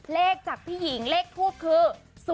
เลขจากพี่หญิงเลขทูบคือ